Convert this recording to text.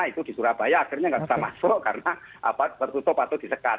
itu di surabaya akhirnya nggak bisa masuk karena tertutup atau disekat